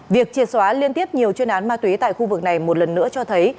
việc triệt xóa liên tiếp nhiều chuyên án ma túy tại khu vực này một lần nữa cho thấy